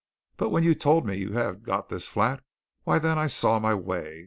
But when you told me that you'd got this flat, why, then, I saw my way!